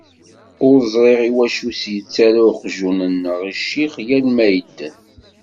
Ur ẓriɣ iwacu i s-yettarra uqjun-nneɣ i ccix yal mi yedden.